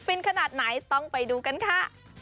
ขนาดไหนต้องไปดูกันค่ะ